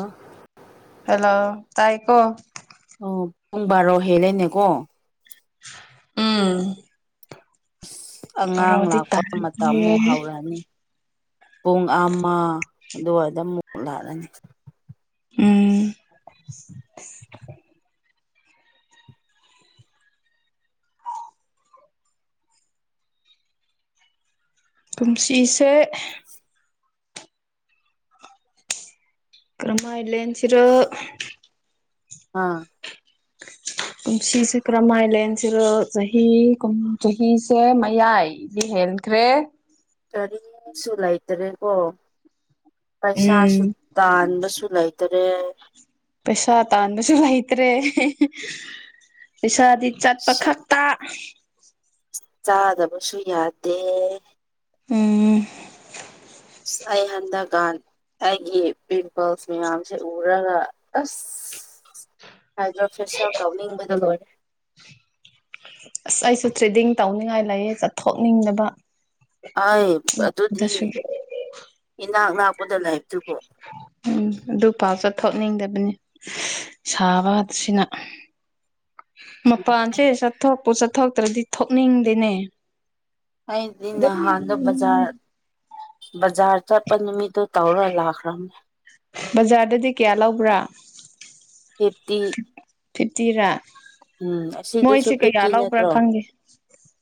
ꯑꯥ hello ꯇꯥꯏꯀꯣ ꯑꯣ ꯄꯨꯡ ꯕꯥꯔꯣ ꯍꯦꯜꯂꯦꯅꯦꯀꯣ ꯎꯝ ꯑꯉꯥꯡ ꯕꯥꯔꯣꯗꯤ ꯂꯥꯛꯄ ꯇꯥꯔꯦ ꯃꯇꯝ ꯃꯨꯛ ꯍꯧꯔꯛꯑꯅꯤ ꯄꯨꯡ ꯑꯃꯥ ꯑꯗꯨꯋꯥꯏꯗ ꯃꯨꯛ ꯂꯥꯛꯂꯅꯤ ꯎꯝ ꯀꯨꯝꯁꯤꯁꯦ ꯀꯔꯃꯥꯏ ꯂꯦꯟꯁꯤꯔꫭ ꯑꯥ ꯄꯨꯟꯁꯤꯁꯦ ꯀꯔꯝꯃꯥꯏꯂꯦꯟꯁꯤꯔꫭ ꯆꯍꯤ ꯆꯍꯤꯁꯦ ꯃꯌꯥꯏ ꯏꯗꯤ ꯍꯦꯟꯈ꯭ꯔꯦ ꯀꯔꯤꯁꯨ ꯂꯩꯇ꯭ꯔꯦꯀꯣ ꯄꯩꯁꯥꯁꯨ ꯎꯝ ꯇꯥꯟꯕꯁꯨ ꯂꯩ ꯇꯔꯦ ꯄꯩꯁꯥ ꯇꯥꯟꯕꯁꯨ ꯂꯩꯇ꯭ꯔꯦ ꯄꯩꯁꯥꯗꯤ ꯁꯤ ꯆꯠꯄꯈꯛ ꯇꯥꯛ ꯆꯥꯗꯕꯁꯨ ꯌꯥꯗꯦ ꯎꯝ ꯑꯩ ꯍꯟꯗꯛꯀꯥꯟ ꯑꯩꯒꯤ ꯄꯤꯝꯄꯜꯁ ꯃꯌꯥꯝ ꯁꯦ ꯎꯔꯒ ꯑꯁ ꯍꯥꯏꯗ꯭ꯔꯥ ꯐꯦꯁꯦꯜ ꯇꯧꯅꯤꯡꯕꯗ ꯂꯣꯏꯔꯦ ꯑꯁ ꯑꯩꯁꯨ ꯇ꯭ꯔꯦꯗꯤꯡ ꯇꯧꯅꯤꯡꯉꯥꯏ ꯂꯩꯌꯦ ꯆꯠꯊꯣꯛꯅꯤꯡꯗꯕ ꯑꯏ ꯑꯗꯨꯗꯤ ꯗꯁꯨ ꯏꯅꯥꯛ ꯅꯥꯛꯄꯗ ꯂꯩꯕꯗꯨꯕꯨ ꯎꯝ ꯑꯗꯨ ꯄꯥꯎ ꯆꯠꯊꯣꯛꯅꯤꯡꯗꯕꯅꯤ ꯁꯥꯕꯁꯤꯅ ꯃꯄꯥꯟꯁꯦ ꯆꯠꯊꯣꯔꯛꯄꯨ ꯆꯠꯊꫭꯛꯇ꯭ꯔꯗꯤ ꯊꯣꯛꯅꯤꯡꯗꯦꯅꯦ ꯑꯩꯗꯤ ꯅꯍꯥꯟꯗꯣ ꯑꯗꯨꯝ ꯕꯖꯥꯔ ꯕꯖꯥꯔ ꯆꯠꯄ ꯅꯨꯃꯤꯠꯇꯣ ꯇꯧꯔ ꯂꯥꯛꯈ꯭ꯔꯅꯦ ꯕꯖꯥꯔꯗꯗꯤ ꯀꯌꯥ ꯂꯧꯕ꯭ꯔꯥ ꯐꯤꯐꯇꯤ ꯐꯤꯐꯇꯤꯔꯥ ꯎꯝ ꯑꯁꯤꯗꯁꯨ ꯃꯣꯏꯁꯦ ꯀꯌꯥ ꯐꯤꯐꯇꯤ ꯂꯧꯕ꯭ꯔꯥ ꯅꯠꯇ꯭ꯔꯣ ꯈꯪꯪꯗꯦ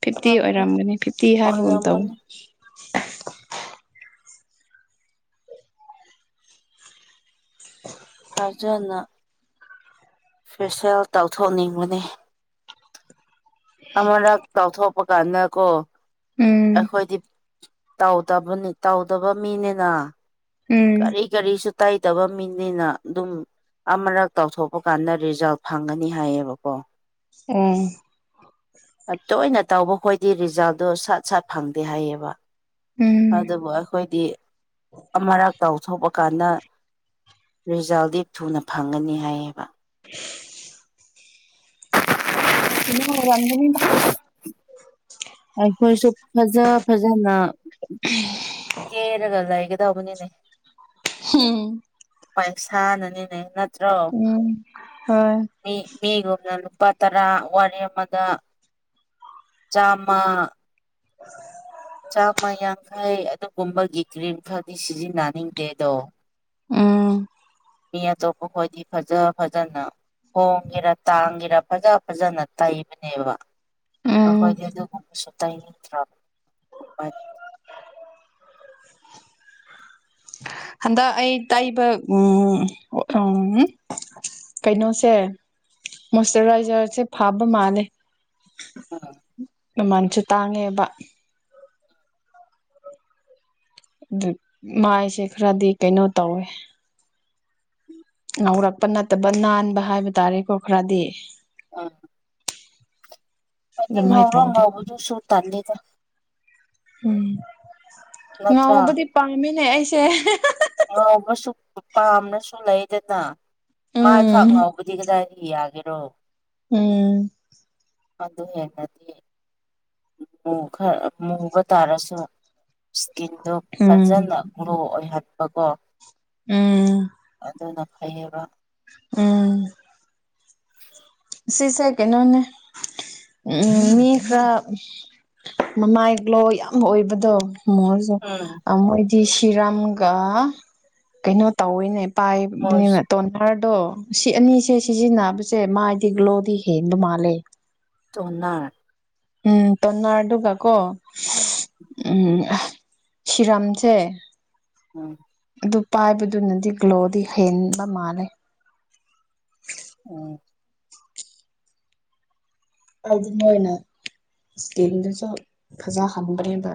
ꯐꯤꯐꯇꯤ ꯑꯣꯏꯔꯝꯒꯅꯤ ꯐꯤꯐꯇꯤ ꯍꯥꯏꯕꯒꯨꯝ ꯇꯧꯋꯤ ꯑꯣꯏꯔꯝꯒꯅꯤ ꯐꯖꯅ ꯐꯦꯁꯦꯜ ꯇꯧꯊꯣꯛꯅꯤꯡꯕꯅꯤ ꯑꯃꯔꯛ ꯇꯥꯎꯊꯣꯛꯄ ꯀꯥꯟꯗꯀꯣ ꯎꯝ ꯑꯩꯈꯣꯏꯗꯤ ꯇꯧꯗꯕꯅꯤ ꯇꯧꯗꯕ ꯃꯤꯅꯤꯅ ꯎꯝ ꯀꯔꯤ ꯀꯔꯤꯁꯨ ꯇꯥꯏꯗꯕ ꯃꯤꯅꯤꯅ ꯑꯗꯨꯝ ꯑꯃꯔꯛ ꯇꯧꯊꯣꯛꯄ ꯀꯥꯟꯗ ꯔꯤꯖꯜꯠ ꯐꯪꯒꯅꯤ ꯍꯥꯏꯌꯦꯕꯀꯣ ꯎꯝ ꯇꯣꯏꯅ ꯇꯧꯕꯈꯣꯏꯗꯤ ꯔꯤꯖꯜꯠꯇꯣ ꯁꯥꯠ ꯁꯠ ꯐꯪꯗꯦ ꯍꯥꯏꯌꯦꯕ ꯎꯝ ꯑꯗꯨꯕꯨ ꯑꯩꯈꯣꯏꯗꯤ ꯑꯃꯔꯛ ꯇꯧꯊꯣꯛꯄ ꯀꯥꯟꯗ ꯔꯤꯖꯜꯗꯤ ꯊꯨꯅ ꯐꯪꯒꯅꯤ ꯍꯥꯏꯌꯦꯕ [unintelligible] ꯑꯩꯈꯣꯏꯁꯨ ꯐꯖ ꯐꯖꯅ ꯀꯦꯔꯒ ꯂꯩꯒꯗꯧꯕꯅꯤꯅꯦ ꯍꯝ ꯄꯩꯁꯥꯅꯅꯤꯅꯦ ꯅꯠꯇ꯭ꯔꯣ ꯎꯝ ꯍꯣꯏ ꯃꯤ ꯃꯤꯒꯨꯝꯅ ꯂꯨꯄꯥ ꯇꯔꯥ ꯋꯥꯠꯂꯦ ꯑꯃꯗ ꯆꯥꯝꯃꯥ ꯆꯥꯝꯃꯥ ꯌꯥꯡꯈꯩ ꯑꯗꯨꯒꯨꯝꯕꯒꯤ ꯀ꯭ꯔꯤꯝ ꯈꯔꯗꯤ ꯁꯤꯖꯤꯟꯅꯅꯤꯡꯗꯦꯗꯣ ꯎꯝ ꯃꯤ ꯑꯇꯣꯞꯄ ꯈꯣꯏꯗꯤ ꯐꯖ ꯐꯖꯅ ꯍꯣꯡꯒꯦꯔꯥ ꯇꯥꯡꯒꯦꯔ ꯐꯖ ꯐꯖꯅ ꯇꯩꯕꯅꯦꯕ ꯎꯝ ꯑꯩꯈꯣꯏꯗꯤ ꯑꯗꯨꯒꯨꯝꯕꯁꯨ ꯇꯩꯅꯤꯡꯗ꯭ꯔꯕ ꯑ ꯍꯟꯗꯛ ꯑꯩ ꯇꯥꯛꯕ ꯎꯝ ꯎꯝ ꯀꯩꯅꯣꯁꯦ ꯃꯣꯏꯆꯔꯥꯏꯖꯔꯁꯦ ꯐꯥꯕ ꯃꯥꯜꯂꯦ ꯎ ꯃꯃꯜꯁꯨꯦ ꯇꯥꯡꯉꯦꯕ ꯑꯗꯨ ꯃꯥꯏꯁꯦ ꯈꯔꯗꯤ ꯀꯩꯅꯣ ꯇꯧꯋꯦ ꯉꯧꯔꯛꯄ ꯅꯠꯇꯕ ꯅꯥꯟꯕ ꯍꯥꯏꯕ ꯇꯥꯔꯦꯀꯣ ꯈꯔꯗꯤ ꯑ [inaudible] ꯍꯥꯏꯗꯤ ꯉꯧꯔꯣ ꯇꯧꯗꯤ ꯉꯧꯕꯗꯨ ꯁꯨ ꯇꯜꯂꯤꯦꯗ ꯎꯝ ꯅꯠꯇ꯭ꯔꯥ ꯉꯥꯎꯕꯗꯤ ꯄꯥꯝꯃꯤꯅꯦ ꯑꯩꯁꯦ ꯉꯥꯎꯕꯁꯨ ꯄꯥꯝꯅꯁꯨ ꯂꯩꯗꯅ ꯃꯥ ꯎꯝ ꯊꯥꯛ ꯉꯥꯎꯕꯗꯤ ꯀꯗꯥꯏꯗ ꯌꯥꯒꯦꯔꯣ ꯎꯝ ꯑꯗꯨ ꯍꯦꯟꯅꯗꯤ ꯈꯔ ꯃꯨꯕ ꯇꯥꯔꯁꯨ ꯏꯁꯀꯤꯟꯗꯣ ꯎꯝ ꯐꯖꯅ ꯍꯣ ꯑꯩ ꯍꯥꯠꯄꯀꯣ ꯎꯝ ꯑꯗꯨꯅ ꯐꯩꯌꯦꯕ ꯎꯝ ꯁꯤꯁꯦ ꯀꯩꯅꯣꯅꯦ ꯎꯝ ꯃꯤ ꯈ ꯃꯃꯥꯏ ꯒ꯭ꯂꯣ ꯌꯥꯝ ꯑꯣꯏꯕꯗꯣ ꯃꯣꯏꯁꯨ ꯎꯝ ꯃꯣꯏꯗꯤ ꯁꯤꯔꯝꯒ ꯀꯩꯅꯣ ꯇꯧꯋꯦꯅꯦ ꯄꯥꯏꯕꯅꯤꯅ ꯃꯣꯏꯁ ꯇꯣꯅꯔꯗꯣ ꯁꯤ ꯑꯅꯤꯁꯦ ꯁꯤꯖꯤꯟꯅꯕꯁꯦ ꯃꯥꯏ ꯇꯒꯂꯣꯗꯤ ꯍꯗꯨ ꯃꯥꯂꯦ ꯇꯣꯅ ꯎꯝ ꯇꯃꯔꯗꯨꯒꯀꯣ ꯎꯝ ꯁꯤꯔꯝꯁꯦ ꯎꯝ ꯑꯗꯨ ꯄꯥꯏꯕꯗꯨꯅꯗꯤ ꯒ꯭ꯂꯣꯗꯤ ꯍꯦꯟꯕ ꯃꯥꯜꯂꯦ ꯎꯝ ꯍꯥꯏꯗꯤ ꯃꯣꯏꯅ ꯏꯁꯇꯤꯜꯗꯁꯨ ꯐꯖꯍꯟꯕꯅꯦꯕ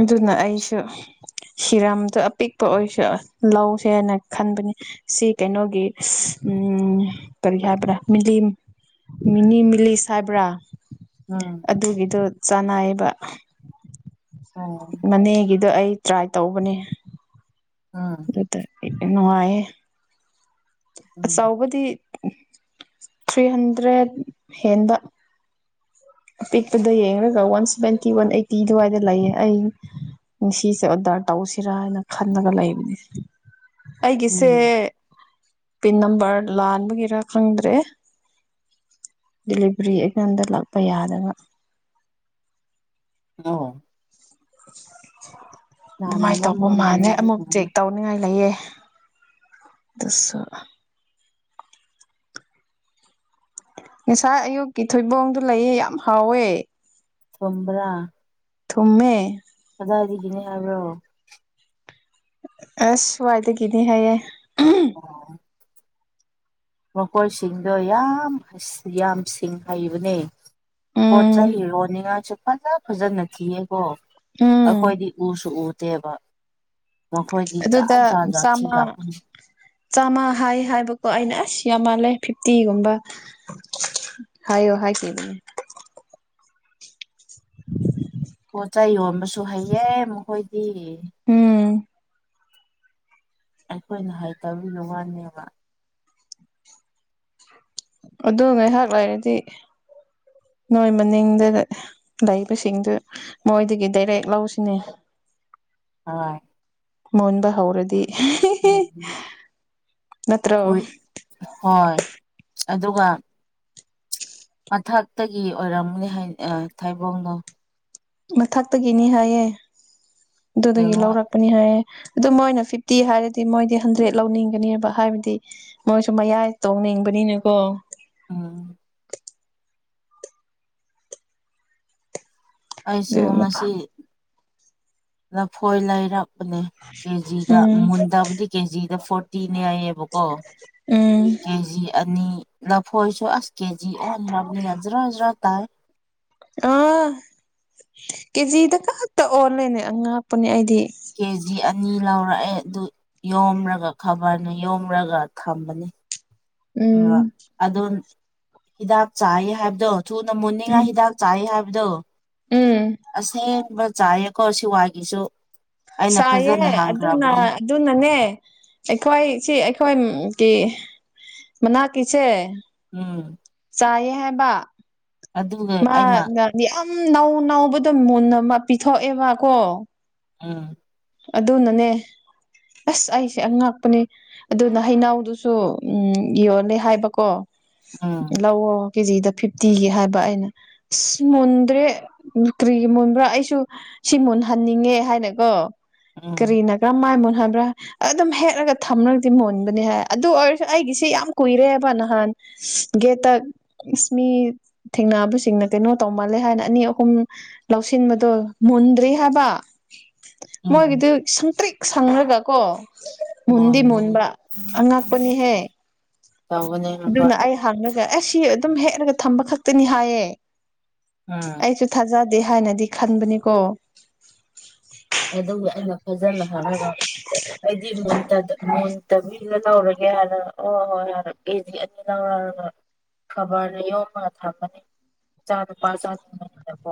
ꯑꯗꯨꯅ ꯑꯩꯁꯨ ꯁꯤꯔꯝꯗꯣ ꯑꯄꯤꯛꯄ ꯑꯣꯏꯁꯨ ꯂꯧꯁꯦ ꯍꯥꯏꯅ ꯈꯟꯕꯅꯤ ꯁꯤ ꯀꯩꯅꯣꯒꯤ ꯎꯝ ꯀꯔꯤ ꯍꯥꯏꯕ꯭ꯔꯥ ꯃꯤꯅꯤꯃꯤꯂꯤ ꯁꯥꯏꯕ꯭ꯔꯥ ꯎꯝ ꯑꯗꯨꯒꯤꯗꯣ ꯆꯥꯟꯅꯩꯌꯦꯕ ꯑꯣ ꯃꯅꯦꯒꯤꯗꯣ ꯑꯩ ꯇ꯭ꯔꯥꯏ ꯇꯧꯕꯅꯦ ꯑ ꯅꯨꯡꯉꯥꯏꯌꯦ ꯎꯝ ꯑꯆꯕꯗꯤ ꯊ꯭ꯔꯤ ꯍꯟꯗ꯭ꯔꯦꯠ ꯍꯦꯟꯕ ꯑꯄꯤꯛꯄꯗ ꯌꯦꯡꯉꯒ ꯋꯥꯟ ꯁꯚꯦꯟꯇꯤ ꯋꯥꯟ ꯑꯦꯠꯇꯤ ꯑꯗꯨꯋꯥꯏꯗ ꯂꯩꯌꯦ ꯑꯩ ꯅꯤꯡꯁꯤꯁꯦ ꯑꯣꯗꯔ ꯇꯧꯁꯤꯔ ꯍꯥꯏꯅ ꯈꯜꯂꯒ ꯂꯩꯕꯅꯦ ꯑꯩꯒꯤꯁꯦ ꯎꯝ ꯄꯤꯟ ꯅꯝꯕꯔ ꯂꯥꯟꯕꯒꯤꯔ ꯈꯪꯗ꯭ꯔꯦ ꯗꯤꯂꯤꯚꯔꯤ ꯑꯩꯉꯣꯟꯝꯗ ꯂꯥꯛꯄ ꯌꯥꯗꯅ ꯅꯣ ꯅꯍꯥꯟꯅ ꯑꯗꯨꯃꯥꯏꯅ ꯇꯧꯕ ꯅꯝꯕ ꯃꯥꯥꯟꯅꯦ ꯑꯃꯨꯛ ꯆꯦꯛ ꯃꯌꯨꯝꯗꯨꯅ ꯇꯧ ꯆꯪꯅꯤꯡꯉꯥꯏ ꯂꯩꯌꯦ ꯑꯗꯨꯁꯨ ꯉꯁꯥꯏ ꯑꯌꯨꯛꯀꯤ ꯊꯣꯏꯕꯣꯡꯗꯨ ꯂꯩꯌꯦ ꯌꯥꯝ ꯍꯥꯎꯋꯦ ꯊꯨꯝꯕ꯭ꯔꯥ ꯊꯨꯝꯃꯦ ꯀꯗꯥꯏꯗꯒꯤꯅꯦ ꯍꯥꯏꯕ꯭ꯔꯣ ꯑꯁ ꯁ꯭ꯋꯥꯏꯗꯒꯤꯅꯦ ꯍꯥꯏꯌꯦ ꯑꯣ ꯃꯈꯣꯏꯁꯤꯡꯗꯣ ꯌꯥꯝ ꯌꯥꯝ ꯁꯤꯡ ꯍꯩꯕꯅꯦ ꯄꯣꯠ ꯎꯝ ꯆꯩ ꯌꯣꯅꯤ ꯉꯥꯢꯁꯨ ꯐꯖ ꯐꯖꯅ ꯊꯤꯌꯦꯀꯣ ꯎꯝ ꯑꯩꯈꯣꯏꯗꯤ ꯎꯁꯨ ꯎꯗꯦꯕ ꯃꯈꯣꯏꯗꯤ ꯖꯥꯠ ꯑꯗꯨꯗ ꯖꯥꯠ ꯖꯥꯠ ꯆꯥꯃꯉꯥ ꯊꯤꯔꯛꯄꯅꯤ ꯆꯥꯝꯃꯥ ꯍꯥꯏ ꯍꯥꯏꯕꯀꯣ ꯑꯩꯅ ꯑꯁ ꯌꯥꯝ ꯃꯥꯜꯂꯦ ꯐꯤꯐꯇꯤꯒꯨꯝꯕ ꯍꯥꯏꯌꯣ ꯍꯥꯏ ꯈꯤ [unintelligible] ꯄꯣꯠ ꯆꯩ ꯌꯣꯟꯕꯁꯨ ꯍꯩꯌꯦ ꯃꯈꯣꯏꯗꯤ ꯎꯝ ꯑꯩꯈꯣꯏꯅ ꯍꯩꯇꯕꯒꯤ ꯋꯥꯅꯦꯕ ꯑꯗꯨ ꯉꯥꯏꯍꯥꯛ ꯂꯩꯔꯗꯤ ꯅꯣꯏ ꯃꯅꯤꯡꯗ ꯂꯩꯕꯁꯤꯡꯗꯨ ꯃꯣꯏꯗꯒꯤ ꯗꯥꯏꯔꯦꯛ ꯂꯧꯁꯤꯅꯦ ꯍꯣꯢ ꯃꯨꯟꯕ ꯍꯧꯔꯗꯤ ꯎꯝ ꯅꯠꯇ꯭ꯔꯣ ꯀꯨꯏ ꯍꯣꯏ ꯑꯗꯨꯒ ꯃꯊꯛꯇꯒꯤ ꯑꯣꯏꯔꯝꯒꯅꯦ ꯍꯥꯏ ꯊꯥꯏꯕꯣꯡꯅꯣ ꯃꯊꯛꯇꯒꯤꯅꯤ ꯍꯥꯏꯌꯦ ꯑꯗꯨꯗꯒꯤ ꯌꯦꯡꯉꯣ ꯂꯧꯔꯛ ꯄꯅꯤ ꯍꯥꯏꯌꯦ ꯑꯗꯨ ꯃꯣꯏꯅ ꯐꯤꯐꯇꯤ ꯍꯥꯏꯔꯗꯤ ꯃꯣꯏꯗꯤ ꯍꯟꯗ꯭ꯔꯦꯗ ꯂꯧꯅꯤꯡꯒꯅꯦꯕ ꯍꯥꯏꯕꯗꯤ ꯃꯣꯏꯁꯨ ꯃꯌꯥꯏ ꯇꯣꯡꯅꯤꯡꯕꯅꯤꯅꯀꯣ ꯑꯥ ꯑꯩꯁꯨ ꯑꯗꯨ ꯉꯁꯤ ꯂꯐꯣꯏ ꯂꯩꯔꯛ ꯅꯦ ꯀꯦꯖꯤꯗ ꯎꯝ ꯃꯨꯟꯗꯕꯗꯤ ꯀꯦꯖꯤꯗ ꯐꯣꯔꯇꯤꯅꯦ ꯍꯥꯏꯌꯦꯕꯀꯣ ꯎꯝ ꯀꯦꯖꯤ ꯑꯅꯤ ꯂꯐꯣꯏꯁꯨ ꯑꯁ ꯀꯦꯖꯤ ꯑꯣꯟꯈ꯭ꯔꯕꯅꯤꯅ ꯖꯔꯥ ꯖꯔꯥ ꯇꯥꯡꯏ ꯑꯥ ꯀꯦꯖꯤꯗ ꯈꯛꯇ ꯑꯣꯜꯂꯦꯅꯦ ꯑꯉꯥꯛꯄꯅꯦ ꯑꯩꯗꯤ ꯀꯦ ꯖꯤ ꯑꯅꯤ ꯂꯧꯔꯛꯑꯦ ꯑꯗꯨ ꯌꯣꯝꯂꯒ ꯈꯕꯔꯅ ꯌꯣꯝꯔꯒ ꯊꯝꯕꯅꯤ ꯎꯝ ꯑꯗꯣ ꯍꯤꯗꯥꯛ ꯆꯥꯏ ꯍꯥꯏꯕꯗꯣ ꯊꯨꯅ ꯃꯨꯅꯤꯡꯉꯥꯏ ꯎꯝ ꯍꯤꯗꯥꯛ ꯆꯥꯏ ꯍꯥꯏꯕꯗꯣ ꯎꯝ ꯑꯁꯦꯡꯕ ꯆꯥꯏꯌꯦꯀꯣ ꯁꯤꯋꯥꯒꯤꯁꯨ ꯆꯥꯏꯌꯦ ꯑꯗꯨꯅ ꯑꯗꯨꯅꯅꯦ ꯑꯩꯈꯣꯏ ꯁꯤ ꯑꯩꯈꯣꯏꯒꯤ ꯃꯅꯥꯛꯀꯤꯁꯦ ꯎꯝ ꯆꯌꯦ ꯍꯥꯏꯕ ꯑꯗꯨꯒ ꯃꯥ ꯑꯩꯅ ꯌꯥꯝ ꯅꯧ ꯅꯧꯕꯗꯣ ꯃꯨꯟꯅ ꯃ ꯄꯤꯊꯣꯛꯑꯦꯕꯀꯣ ꯎꯝ ꯑꯗꯨꯅꯅꯦ ꯑꯁ ꯑꯩꯁꯦ ꯑꯉꯥꯛꯄꯅꯦ ꯑꯗꯨꯅ ꯍꯩꯅꯧꯗꯨꯁꯨ ꯎꯝ ꯌꯣꯜꯂꯦ ꯍꯥꯏꯕꯀꯣ ꯎꯝ ꯂꯧꯋꯣ ꯀꯦꯖꯤꯗ ꯐꯤꯐꯇꯤꯒꯤ ꯍꯥꯏꯕ ꯑꯩꯅ ꯑꯁ ꯃꯨꯟꯗ꯭ꯔꯦ ꯀ꯭ꯔꯤꯒꯤ ꯃꯨꯟꯕ꯭ꯔꯥ ꯑꯩꯁꯨ ꯁꯤ ꯃꯨꯟꯍꯟꯅꯤꯡꯉꯦ ꯍꯥꯏꯅꯀꯣ ꯎꯝ ꯀꯔꯤꯅ ꯀꯃꯥꯏꯅ ꯃꯨꯟ ꯍꯟꯕ꯭ꯔꯥ ꯑꯗꯨꯝ ꯍꯦꯛꯂꯒ ꯊꯝꯂꯒꯗꯤ ꯃꯨꯟꯕꯅꯤ ꯍꯥꯏ ꯑꯗꯨ ꯑꯣꯏꯔꯁꯨ ꯑꯩꯒꯤꯁꯦ ꯌꯥꯝ ꯀꯨꯏꯔꯦꯕ ꯅꯍꯥꯟ ꯒꯦꯠꯇ ꯃꯤ ꯊꯦꯡꯅꯕꯁꯤꯡꯅ ꯀꯩꯅꯣ ꯇꯧꯃꯜꯂꯦ ꯍꯥꯏꯅ ꯑꯅꯤ ꯑꯍꯨꯝ ꯂꯧꯁꯤꯟꯕꯗꯣ ꯃꯨꯟꯗ꯭ꯔꯤ ꯍꯥꯏꯕ ꯎꯝ ꯃꯣꯏꯒꯤꯗꯨ ꯁꯪꯇ꯭ꯔꯤꯛ ꯁꯪꯔꯒ ꯀꯣ ꯃꯨꯟꯗꯤ ꯃꯨꯟꯕꯅꯤ ꯃꯨꯟꯕ ꯑꯉꯛꯄꯅꯤꯍꯦ ꯇꯧꯕꯅꯦ ꯃꯈꯣꯏ ꯑꯗꯨꯅ ꯑꯩ ꯊꯥꯡꯉꯒ ꯑꯩ ꯁꯤ ꯑꯗꯨꯝ ꯍꯦꯛꯂꯒ ꯊꯝꯕ ꯈꯛꯇꯅꯤ ꯍꯥꯏꯌꯦ ꯑ ꯑꯩꯁꯨ ꯊꯥꯖꯗꯦ ꯍꯥꯏꯅꯗꯤ ꯈꯟꯕꯅꯤꯀꯣ ꯑꯗꯨ ꯑꯩꯅ ꯐꯖꯅ ꯍꯥꯏꯔꯒ ꯃꯨꯟ ꯃꯨꯟꯇ ꯃꯤꯅ ꯂꯧꯔꯒꯦ ꯍꯥꯏꯔ ꯑꯣ ꯍꯣꯏ ꯍꯥꯏꯔ ꯑꯦꯗꯤ ꯑꯅꯤ ꯂꯧꯔ ꯈꯕꯔꯗ ꯌꯣꯝꯃꯒ ꯊꯝꯃꯅꯤ ꯏꯆꯥ ꯅꯨꯄꯥ ꯆꯥ ꯊꯉꯅꯤꯅꯀꯣ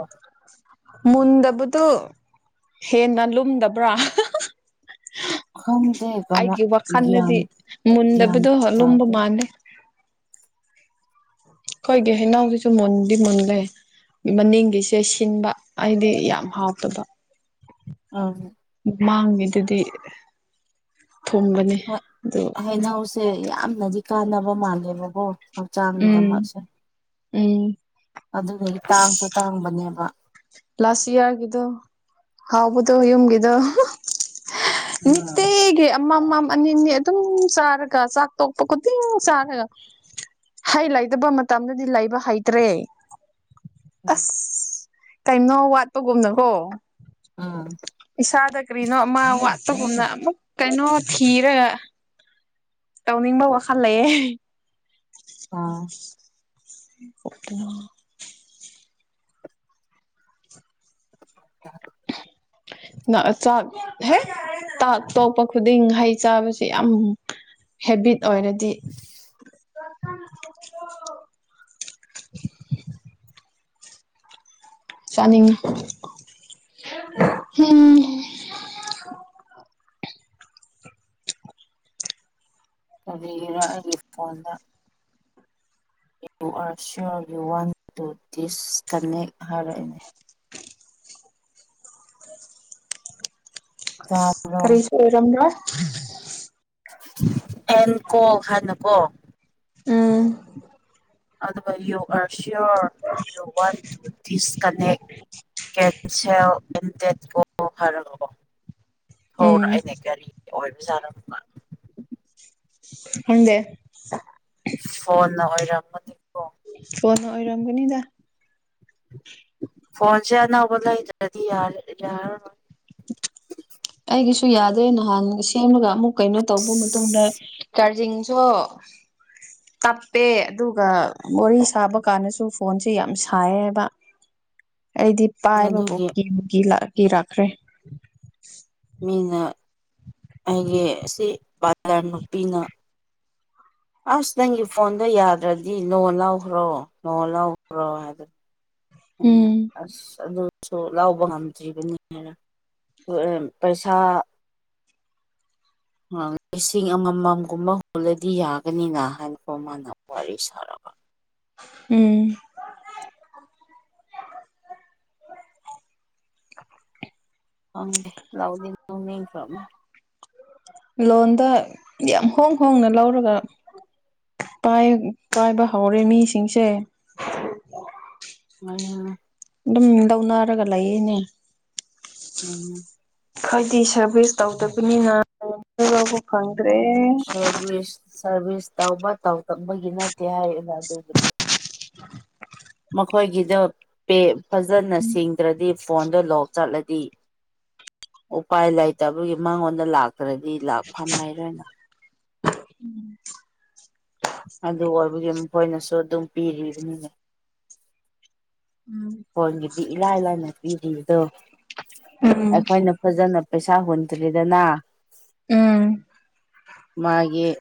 ꯃꯨꯟꯗꯕꯗꯨ ꯍꯦꯟꯅ ꯂꯨꯝꯗꯕ꯭ꯔꯥ ꯈꯪꯗꯦ ꯀꯃ ꯑꯩꯒꯤ ꯒ꯭ꯌꯥꯟ ꯋꯥꯈꯜꯗꯗꯤ ꯒ꯭ꯌꯥꯟ ꯃꯨꯟꯗꯕꯗꯣ ꯂꯨꯝꯕ ꯇꯥꯗꯦ ꯃꯥꯜꯂꯦ ꯀꯣꯏꯒꯦ ꯍꯅꯁꯨ ꯃꯟꯗꯤ ꯃꯟꯗꯦ ꯃꯅꯤꯡꯒꯤꯁꯦ ꯁꯤꯟꯕ ꯍꯥꯏꯗꯤ ꯌꯥꯝ ꯍꯥꯎꯇꯕ ꯑ ꯃꯥꯡꯉꯦꯗꯨꯗꯤ ꯊꯣꯡꯒꯅꯤ ꯍꯩꯅꯧꯁꯦ ꯌꯥꯝꯅꯗꯤ ꯀꯥꯟꯅꯕ ꯃꯥꯜꯂꯦꯕꯀꯣ ꯎꯝ ꯍꯛꯆꯥꯡꯒꯤꯗꯃꯛꯁꯦ ꯎꯝ ꯑꯗꯨꯗꯒꯤ ꯇꯥꯡꯁꯨ ꯇꯥꯡꯕꯅꯦꯕ ꯂꯥꯁ ꯏꯌꯥꯔꯒꯤꯗꯣ ꯍꯥꯎꯕꯗꯣ ꯌꯨꯝꯒꯤꯗꯣ ꯎꯝ ꯃꯠꯇꯒꯤ ꯑꯃꯃꯝ ꯑꯅꯤꯅꯤ ꯑꯗꯨꯝ ꯆꯥꯔꯒ ꯆꯥꯛ ꯇꯣꯛꯄ ꯈꯨꯗꯤꯡ ꯆꯥꯔꯒ ꯍꯩ ꯂꯩꯇꯕ ꯃꯇꯝꯗꯗꯤ ꯂꯩꯕ ꯍꯩꯇ꯭ꯔꯦ ꯑꯁ ꯀꯔꯤꯅꯣ ꯋꯥꯠꯄꯒꯨꯝꯅꯈꯣ ꯑꯥ ꯏꯁꯥꯗ ꯀꯔꯤꯅꯣ ꯑꯃ ꯒꯨꯝꯅ ꯑꯃꯨꯛ ꯀꯩꯅꯣ ꯊꯤꯔꯒ ꯇꯧꯅꯤꯡꯕ ꯋꯥꯈꯜ ꯂꯩꯌꯦꯦ ꯑꯥ ꯎ [inaudible] ꯅ ꯆ ꯍꯦ ꯇ ꯇꯣꯛꯄ ꯈꯨꯗꯤꯡ ꯍꯩ ꯆꯥꯕꯕꯁꯤꯦ ꯌꯥꯝ ꯍꯦꯕꯤꯠ ꯑꯣꯏꯔꯗꯤ ꯆꯥꯅꯤꯡꯉꯤ ꯎꯝ ꯀꯔꯤꯒꯤꯔ ꯑꯩꯒꯤ ꯐꯣꯟꯗ you are sure you want to disconnect ꯍꯥꯏꯔꯛꯑꯦꯅꯦ ꯇꯥꯕ꯭ꯔꯣ ꯀꯔꯤꯁꯨ ꯑꯣꯏꯔꯝꯗꯔ꯭ꯦ ꯑꯦꯟ ꯀꯣ ꯍꯥꯏꯥꯟꯅꯀꯣ ꯎꯝ ꯑꯗꯨꯒ you are sure you want to disconnect ꯀꯁ ꯑꯣ ꯐꯔꯣ ꯍꯔ ꯎꯝ ꯑꯅꯦ ꯒꯥꯔꯤ ꯑꯣꯏꯕꯖꯥꯠꯔ [unintelligible] ꯍꯗꯦ ꯐꯣꯟꯅ ꯑꯣꯏꯔꯝꯃꯗꯤ ꯐꯣꯣꯟ ꯑꯣꯏꯔꯝꯒꯅꯤ ꯇ ꯐꯣꯟꯁꯦ ꯑꯅꯧꯕ ꯂꯩꯗ꯭ꯔꯗꯤ ꯌꯥꯔꯔꯣꯏ ꯑꯩꯒꯤꯁꯨ ꯌꯥꯗꯣꯏ ꯅꯍꯥꯟ ꯁꯦꯝꯂꯒ ꯑꯃꯨꯛ ꯀꯩꯅꯣ ꯇꯧꯕ ꯃꯇꯨꯡꯗ ꯆꯥꯔꯖꯤꯡꯁꯨ [unintelligible] ꯇꯞꯄꯦ ꯑꯗꯨꯒ ꯋꯥꯔꯤ ꯁꯥꯕ ꯀꯥꯟꯗꯁꯨ ꯐꯣꯟꯁꯦ ꯌꯥꯝ ꯁꯥꯏ ꯍꯥꯏꯕ ꯑꯩꯗꯤ ꯄꯥꯏꯕꯕꯨ ꯑꯗꯨꯒꯤ ꯀꯤꯕꯨ ꯀꯤꯔꯛꯈ꯭ꯔꯦ ꯃꯤꯅ ꯑꯩꯒꯤ ꯁꯤ ꯕꯖꯔ ꯅꯨꯄꯤꯅ ꯑꯁ ꯅꯪꯒꯤ ꯐꯣꯟꯗꯣ ꯌꯥꯗ꯭ꯔꯗꯤ ꯅꯣꯡ ꯂꯧꯈ꯭ꯔꯣ ꯅꯣꯡ ꯂꯧꯈ꯭ꯔꯣ ꯍꯥꯏꯗꯗꯤ ꯑ ꯎꯝ ꯑꯁ ꯑꯗꯨ ꯁꯨ ꯂꯥꯎꯕ ꯉꯝꯗ꯭ꯔꯤꯕꯅꯤꯅ ꯄꯩꯁꯥ [unintelligible] ꯂꯤꯁꯤꯡ ꯑꯃꯃꯝꯒꯨꯝꯕ ꯍꯨꯜꯂꯗꯤ ꯌꯥꯒꯅꯤꯅ ꯍꯥꯏꯅꯀꯣ ꯃꯥꯅ ꯋꯥꯔꯤ ꯁꯥꯔꯒ ꯎꯝ ꯍꯪꯗꯦ ꯂꯥꯎꯗꯤ ꯅ ꯃꯤꯈ꯭ꯔꯅꯦ ꯂꯣꯟꯗ ꯌꯥꯝ ꯍꯣꯡ ꯍꯣꯡꯅ ꯂꯧꯔꯒ ꯄꯥꯏꯕ ꯍꯧꯔꯦ ꯃꯤꯁꯤꯡꯁꯦ ꯎꯝ ꯑꯗꯨꯝ ꯂꯧꯅꯔꯒ ꯂꯩꯌꯦꯅꯦ ꯎꯝꯝ ꯍꯥꯏꯗꯤ ꯁꯥꯔꯚꯤꯁ ꯇꯧꯗꯕꯅꯤꯅꯥꯎꯕ ꯐꯪꯗ꯭ꯔꯦ ꯁꯔꯚꯤꯁ ꯁꯔꯚꯤꯁ ꯇꯧꯕ ꯇꯧꯗꯕ ꯅꯠꯇꯦ ꯍꯥꯏꯌꯦꯕ ꯑꯗꯨꯕꯨꯗꯤ ꯃꯈꯣꯏꯒꯤꯗ ꯄꯦ ꯐꯖꯅ ꯁꯤꯡꯗ꯭ꯔꯗꯤ ꯐꯣꯟꯗ ꯂꯣꯛ ꯆꯠꯂꯗꯤ ꯎꯄꯥꯏ ꯂꯩꯇꯕꯒꯤ ꯃꯉꯣꯟꯗ ꯂꯥꯛꯇ꯭ꯔꯗꯤ ꯂꯥꯛꯐꯝ ꯂꯩꯔꯣꯏꯅ ꯑꯗꯨ ꯑꯣꯏꯕꯒꯤ ꯃꯈꯣꯏꯅꯁꯨ ꯑꯗꯨꯝ ꯄꯤꯔꯤꯕꯅꯤꯅꯦ ꯎꯝ ꯐꯣꯟꯒꯤꯗꯤ ꯏꯂꯥꯏ ꯂꯥꯏꯅ ꯄꯤꯔꯤ ꯑꯗꯣ ꯎꯝ ꯑꯩꯈꯣꯏꯅ ꯐꯖꯅ ꯄꯩꯁꯥ ꯍꯨꯟꯗ꯭ꯔꯤꯗꯅ ꯎꯝ ꯃꯥꯒꯤ